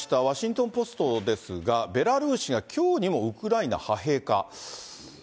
ワシントン・ポストですが、ベラルーシがきょうにもウクライナ派兵か。